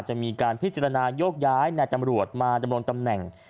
จะมีการพิจารณายกย้ายในตำรวจมาดำรงตำแหน่ง